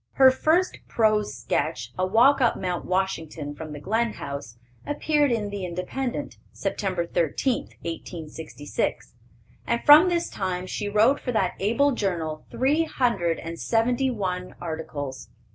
Her first prose sketch, a walk up Mt. Washington from the Glen House, appeared in the Independent, Sept. 13, 1866; and from this time she wrote for that able journal three hundred and seventy one articles.